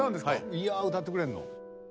いやぁ歌ってくれんの？